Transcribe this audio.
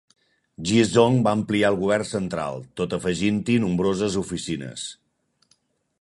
Yizong va ampliar el govern central, tot afegint-hi nombroses oficines.